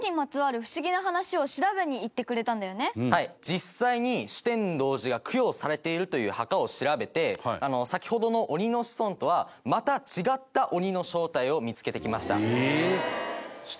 実際に酒呑童子が供養されているという墓を調べて先ほどの鬼の子孫とはまた違った鬼の正体を見付けてきました。